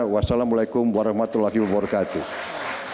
wassalamu'alaikum warahmatullahi wabarakatuh